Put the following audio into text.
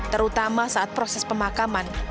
terutama saat proses pemakaman